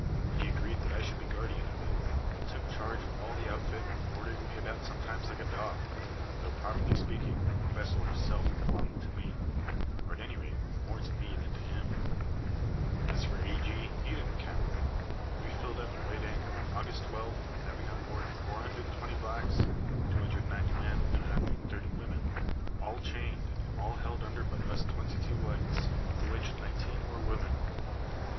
He agreed that I should be guardian of it, but took charge of all the outfit, ordering me about sometimes like a dog, though, properly speaking, the vessel herself belonged to me or, at any rate, more to me than to him. As for A. G., he didn't count. We filled up and weighed anchor on August 12, having on board 420 blacks 290 men and 130 women all chained, and all held under by us twenty two whites, of the which nineteen were women.